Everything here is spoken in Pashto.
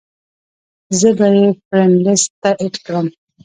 زۀ به ئې فرېنډ لسټ ته اېډ کړم -